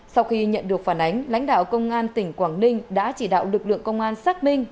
sau khi nhận được phản ánh lãnh đạo công an tỉnh quảng ninh đã chỉ đạo lực lượng công an xác minh